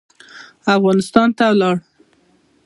افغانستان ته ولاړ.